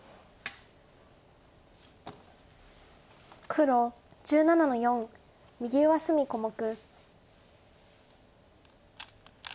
黒１７の四右上隅小目。